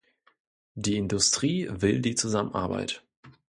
Die Industrie will die Zusammenarbeit.